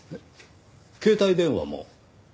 携帯電話も？